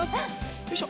よいしょ！